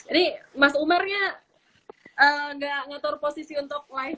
ini mas umar nya nggak ngatur posisi untuk live